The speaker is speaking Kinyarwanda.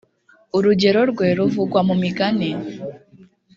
urugero rwe ruvugwa mu migani